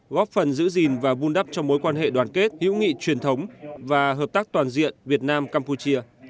góp phần giữ gìn và vun đắp cho mối quan hệ đoàn kết hữu nghị truyền thống và hợp tác toàn diện việt nam campuchia